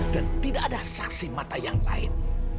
dan tidak ada saksi mata yang lain